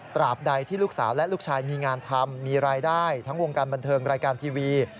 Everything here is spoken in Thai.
บใดที่ลูกสาวและลูกชายมีงานทำมีรายได้ทั้งวงการบันเทิงรายการทีวี